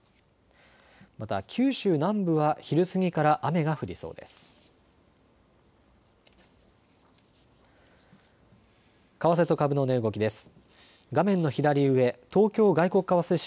また九州南部は昼過ぎから雨が降りそうです。